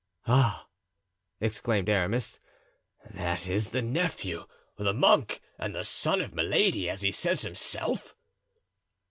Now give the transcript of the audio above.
"Ah!" exclaimed Aramis, "that is the nephew, the monk, and the son of Milady, as he says himself."